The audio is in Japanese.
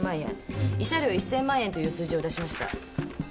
慰謝料１，０００万円という数字を出しました。